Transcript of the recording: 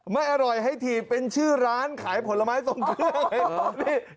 ไม่อร่อยให้ถีบเป็นชื่อร้านขายผลไม้ทรงเครื่อง